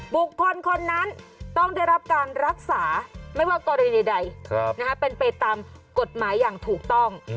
บุคคลคนนั้นต้องได้รับการรักษาไม่ว่ากรณีใดเป็นไปตามกฎหมายอย่างถูกต้อง